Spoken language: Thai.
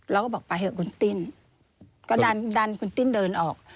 เราก็บอกไปเถอะคุณติ้นก็ดันดันคุณติ้นเดินออก